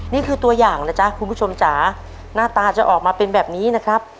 นี่คือตัวอย่างนะจ๊ะคุณผู้ชมจ๋าหน้าตาจะออกมาเป็นแบบนี้นะครับ